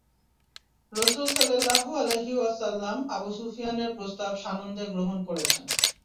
রাসূল সাল্লাল্লাহু আলাইহি ওয়াসাল্লাম আবু সুফিয়ানের প্রস্তাব সানন্দে গ্রহণ করেছেন।